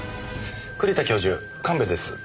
栗田教授神戸です。